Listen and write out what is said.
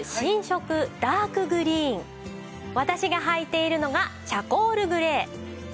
私がはいているのがチャコールグレー。